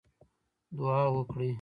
دعا وکړئ